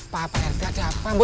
pak pak rt ada apa